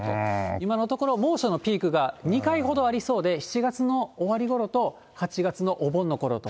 今のところ、猛暑のピークが２回ほどありそうで、７月の終わりごろと、８月のお盆のころと。